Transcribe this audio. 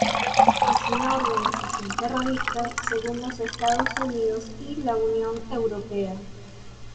Es una organización terrorista según los Estados Unidos y la Unión Europea.